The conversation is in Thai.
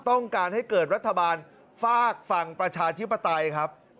ต้องการให้เกิดรัฐบาลฝากฝั่งประชาธิปไตยครับ